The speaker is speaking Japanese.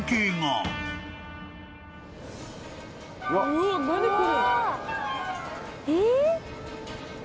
うわっ何これ？